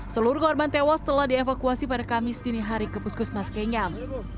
seluruh korban tewas telah dievakuasi pada kamis dini hari ke puskesmas kenyam